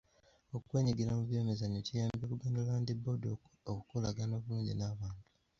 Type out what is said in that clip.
Okwenyigira mu by'emizannyo kiyambye Buganda Land Board okukolagana obulungi n'abantu.